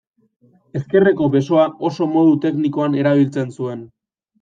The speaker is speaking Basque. Ezkerreko besoa oso modu teknikoan erabiltzen zuen.